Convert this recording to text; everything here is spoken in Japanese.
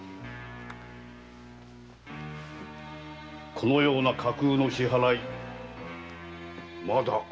このような架空の支払いまだあるのだな。